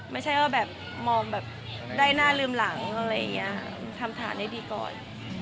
ไม่ใช่ว่าแบบมองแบบได้หน้าลืมหลังอะไรอย่างนี้ทำฐานให้ดีก่อน